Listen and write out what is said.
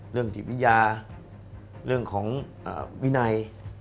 เรื่องจิตวิทยาเรื่องของวินัย